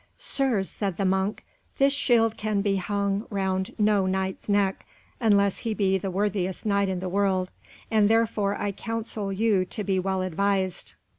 "Sirs," said the monk, "this shield can be hung round no Knight's neck, unless he be the worthiest Knight in the world, and therefore I counsel you to be well advised."